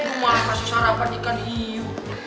gue malah masuk sarapan ikan iu